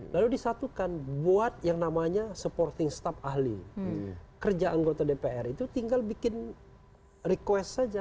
lalu disatukan buat yang namanya supporting staff ahli kerja anggota dpr itu tinggal bikin request saja